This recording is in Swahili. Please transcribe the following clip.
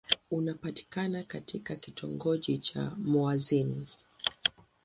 Unapatikana katika kitongoji cha Mouassine.